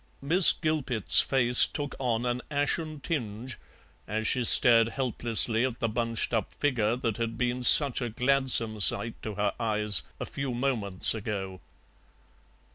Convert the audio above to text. Miss Gilpet's face took on an ashen tinge as she stared helplessly at the bunched up figure that had been such a gladsome sight to her eyes a few moments ago.